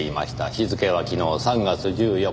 日付は昨日３月１４日。